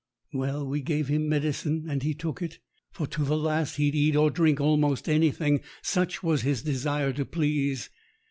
Well, we gave him medicine, and he took it, for to the last he'd eat or drink almost anything, such was his desire to please.